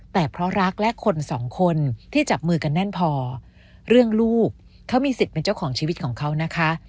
แต่เพราะรักและคนสองคนที่จับมือกันแน่นพอเรื่องลูกเขามีสิทธิ์เป็นเจ้าของชีวิตของเขานะคะ